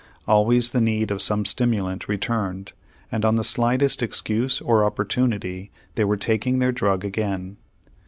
Always the need of some stimulant returned, and on the slightest excuse or opportunity they were taking their drug again.